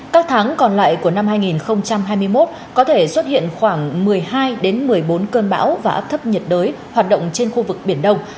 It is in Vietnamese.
các tháng còn lại của năm hai nghìn hai mươi một có thể xuất hiện khoảng một mươi hai một mươi bốn cơn bão và áp thấp nhiệt đới hoạt động trên khu vực biển đông